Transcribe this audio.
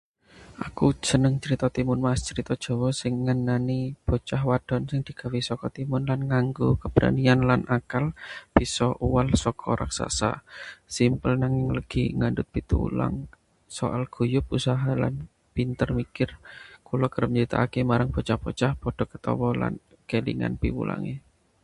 Aku seneng crita Timun Mas. Crita Jawa iki ngenani bocah wadon sing digawé saka timun lan nganggo keberanian lan akal bisa uwal saka raksasa. Simple nanging legi, ngandhut piwulang soal guyub, usaha, lan pinter mikir. Kula kerep critakaké marang bocah-bocah, padha ketawa lan kelingan piwulangé.